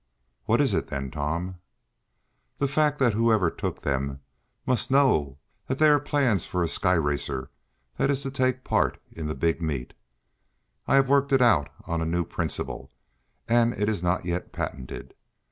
"What is it, then, Tom?" "The fact that whoever took them must know that they are the plans for a sky racer that is to take part in the big meet. I have worked it out on a new principle, and it is not yet patented.